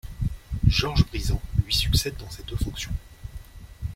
George Brizan lui succède dans ces deux fonctions.